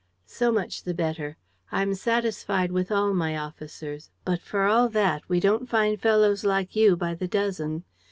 "So much the better. I'm satisfied with all my officers; but, for all that, we don't find fellows like you by the dozen.